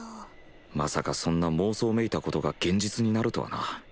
まさかそんな妄想めいたことが現実になるとはな。